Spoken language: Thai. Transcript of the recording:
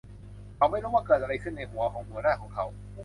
เขาไม่รู้ว่าเกิดอะไรขึ้นในหัวของหัวหน้าของเขา